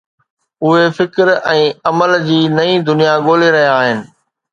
اهي فڪر ۽ عمل جي نئين دنيا ڳولي رهيا آهن.